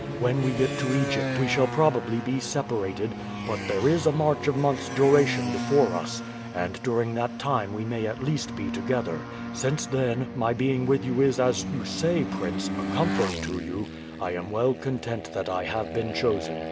When we get to Egypt we shall probably be separated, but there is a march of months' duration before us, and during that time we may at least be together; since, then, my being with you is as you say, prince, a comfort to you, I am well content that I have been chosen.